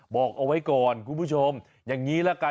บอกเอาไว้ก่อนคุณผู้ชมอย่างนี้ละกัน